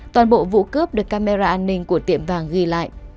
toàn bộ vụ cướp được camera an ninh của tiệm vàng ghi lại